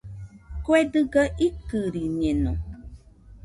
Kue dɨga ikɨriñeno.